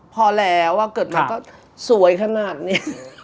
พอแล้วเกิดมาก็สวยขนาดนี้